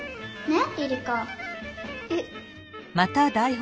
えっ？